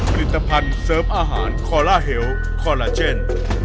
ผลิตภัณฑ์เสริมอาหารคอลลาเฮลคอลลาเจน